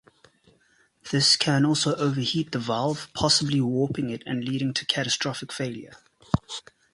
This can also overheat the valve, possibly warping it and leading to catastrophic failure.